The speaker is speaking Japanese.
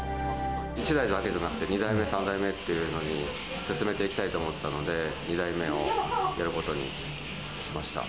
１台だけじゃなくて、２台目、３台目っていうのに進めていきたいと思ったので、２台目をやることにしました。